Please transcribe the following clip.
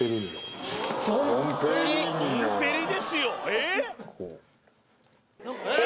えっ！